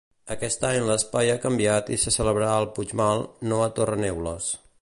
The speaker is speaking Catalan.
Aquest any l'espai ha canviat i se celebrarà al Puigmal, no a Torreneules.